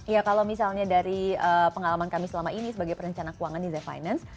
iya kalau misalnya dari pengalaman kami selama ini sebagai perencana keuangan di the finance